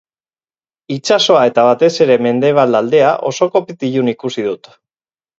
Itsasoa eta batez ere mendebal aldea oso kopetilun ikusi dut.